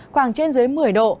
khoảng trên dưới một mươi độ